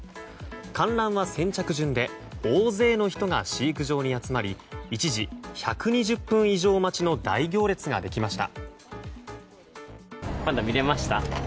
観覧は先着順で大勢の人が飼育場に集まり一時１２０分以上待ちの大行列ができました。